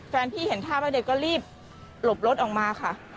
แฟนพี่เห็นท่าว่าเด็กก็รีบหลบรถออกมาค่ะ